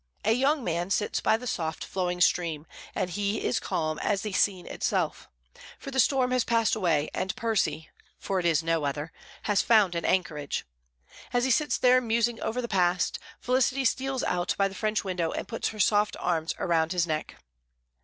A young man sits by the soft flowing stream, and he is calm as the scene itself; for the storm has passed away, and Percy (for it is no other) has found an anchorage. As he sits musing over the past, Felicity steals out by the French window and puts her soft arms around his neck.